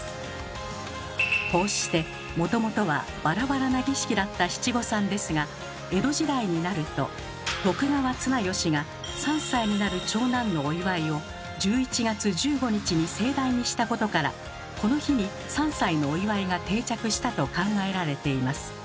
こうしてもともとはバラバラな儀式だった七五三ですが江戸時代になると徳川綱吉が３歳になる長男のお祝いを１１月１５日に盛大にしたことからこの日に３歳のお祝いが定着したと考えられています。